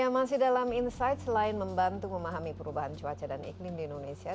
masih dalam insight selain membantu memahami perubahan cuaca dan iklim di indonesia